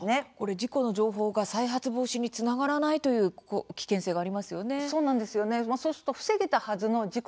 事故の情報が再発防止につながらないという危険性がありますね。